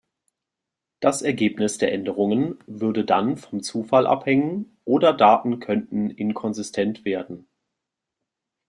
Das Ergebnis der Änderungen würde dann vom Zufall abhängen oder Daten könnten inkonsistent werden.